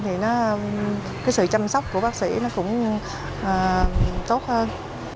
thì sự chăm sóc của bác sĩ cũng tốt hơn